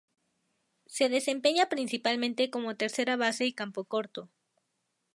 Se desempeña principalmente como tercera base y campocorto.